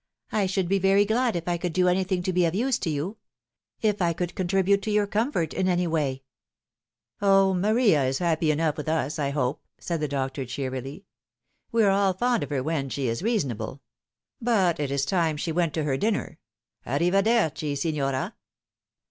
I should be very glad if I could do anything to be of use to you ; if I could contribute to your comfort in any way." <l O, Maria is happy enough with us, I hope," said the doctor cheerily. " We are aU fond of her when she is reasonable. But it is time she went to her dinner. A rivederci, signora."